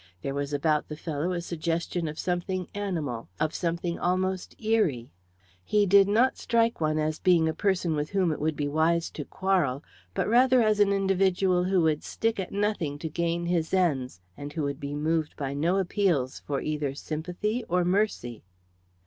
There was about the fellow a suggestion of something animal of something almost eerie. He did not strike one as being a person with whom it would be wise to quarrel, but rather as an individual who would stick at nothing to gain his ends, and who would be moved by no appeals for either sympathy or mercy.